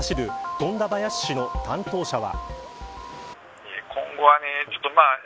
富田林市の担当者は。